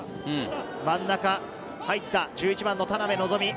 真ん中入った、１１番の田邉望。